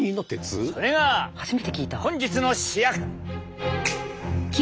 それが本日の主役！